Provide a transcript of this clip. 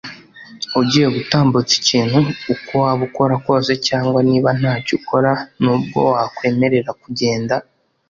ugiye gutambutsa ikintu uko waba ukora kose cyangwa niba ntacyo ukora nubwo wakwemerera kugenda